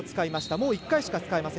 もう１回しか使えません。